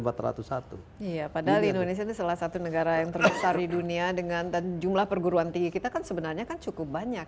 iya padahal indonesia ini salah satu negara yang terbesar di dunia dengan dan jumlah perguruan tinggi kita kan sebenarnya cukup banyak